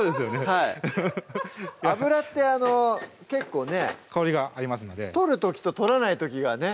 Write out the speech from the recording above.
はい油って結構ね香りがありますので取る時と取らない時がね